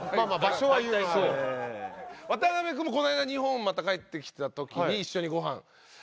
渡邊君もこの間日本また帰ってきた時に一緒にごはん。